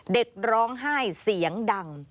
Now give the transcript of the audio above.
เด็กร้องไห้เสียงดัง